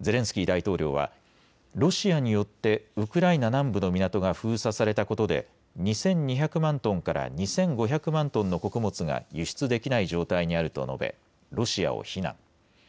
ゼレンスキー大統領は、ロシアによってウクライナ南部の港が封鎖されたことで２２００万トンから２５００万トンの穀物が輸出できない状態にあると述べロシアを非難。